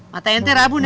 mata ente rabun ya